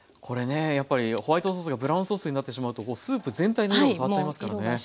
これねやっぱりホワイトソースがブラウンソースになってしまうとスープ全体の色が変わっちゃいますからね。